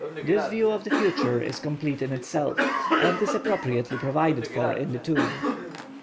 This view of the future is complete in itself, and is appropriately provided for in the tomb.